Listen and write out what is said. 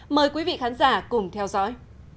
mời quý vị khán giả cùng theo dõi